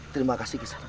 terima kasih kisah